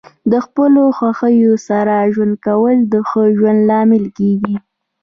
د خپلو خوښیو سره ژوند کول د ښه ژوند لامل کیږي.